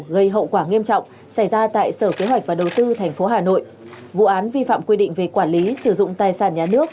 gây hậu quả nghiêm trọng xảy ra tại sở kế hoạch và đầu tư tp hà nội vụ án vi phạm quy định về quản lý sử dụng tài sản nhà nước